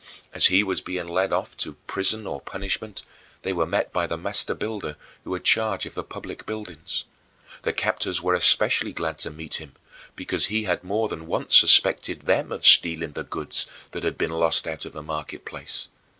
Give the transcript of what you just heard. As he was being led off to prison or punishment, they were met by the master builder who had charge of the public buildings. The captors were especially glad to meet him because he had more than once suspected them of stealing the goods that had been lost out of the market place.